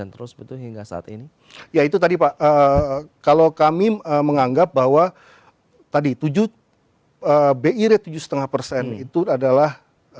terus betul hingga saat ini yaitu tadi pak kalau kami menganggap bahwa tadi tujuh bi re tujuh lima persen itu adalah